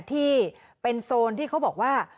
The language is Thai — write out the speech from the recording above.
ที่เป็นโซนที่เขาบอกว่า